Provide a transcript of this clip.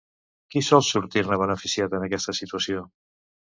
Qui sol sortir-ne beneficiat en aquesta situació?